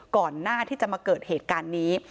ก่อนหน้าที่จะมาเกิดเหตุการณ์นี้